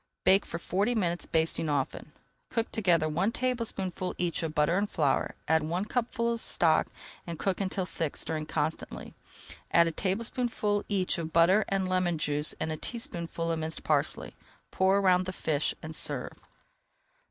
Bake for forty minutes, basting often. Cook together one tablespoonful each of butter and flour, add one cupful of stock, and cook until thick, stirring constantly. Add a tablespoonful each of butter and lemon juice and a teaspoonful of minced parsley. Pour around the fish and serve.